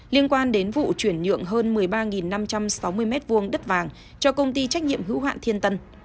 liên quan đến vụ chuyển nhượng hơn một mươi ba năm trăm sáu mươi m hai đất vàng cho công ty trách nhiệm hữu hoạn thiên tân